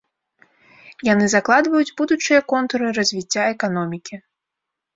Яны закладваюць будучыя контуры развіцця эканомікі.